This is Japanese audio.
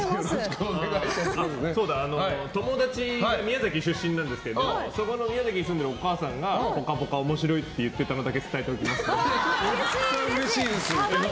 友達が宮崎出身なんですけど宮崎に住んでいるお母さんが「ぽかぽか」面白いって言ってたのだけ伝えておきます。